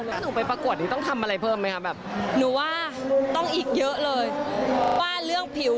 ถ้าหนูไปประกวดนี้ต้องทำอะไรเพิ่มไหมครับ